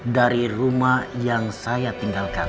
dari rumah yang saya tinggalkan